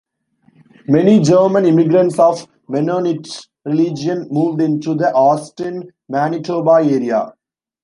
Many German immigrants of Mennonite religion moved into the Austin Manitoba area.